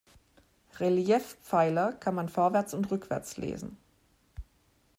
Reliefpfeiler kann man vorwärts und rückwärts lesen.